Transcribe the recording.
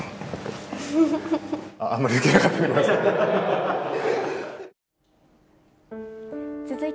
あんまり受けなかった、ごめんなさい。